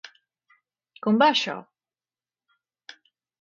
Com va això?